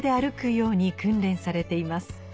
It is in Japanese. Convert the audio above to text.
ように訓練されています